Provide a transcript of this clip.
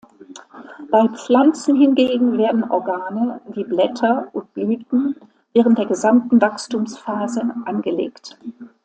Bei Pflanzen hingegen werden Organe wie Blätter und Blüten während der gesamten Wachstumsphase angelegt.